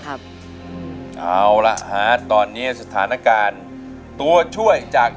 เอาละฮะตอนนี้สถานการณ์ตัวช่วยจาก